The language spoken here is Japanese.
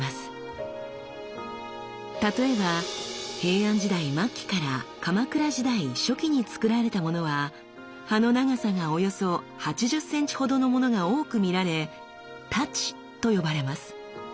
例えば平安時代末期から鎌倉時代初期につくられたものは刃の長さがおよそ８０センチほどのものが多く見られ「太刀」と呼ばれます。